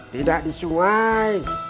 tidak di sungai